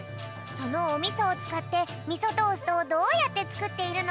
そのおみそをつかってみそトーストをどうやってつくっているのか